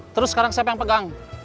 terus sekarang siapa yang pegang